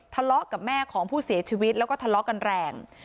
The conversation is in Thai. ทะเลาะกับแม่ของผู้เสียชีวิตแล้วก็ทะเลาะกันแรง